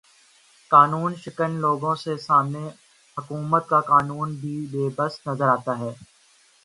قانوں شکن لوگوں کے سامنے حکومت کا قانون بھی بے بس نظر آتا ہے